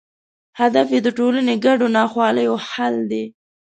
هدف یې د ټولنو ګډو ناخوالو حل دی.